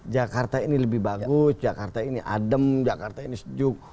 jakarta ini lebih bagus jakarta ini adem jakarta ini sejuk